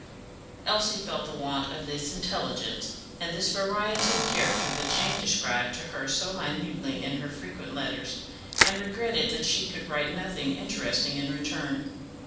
Elsie felt the want of this intelligence and this variety of character that Jane described to her so minutely in her frequent letters, and regretted that she could write nothing interesting in return.